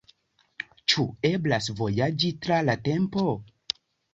Ĉu eblas vojaĝi tra la tempo?